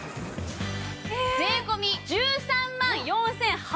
税込１３万４８００円です！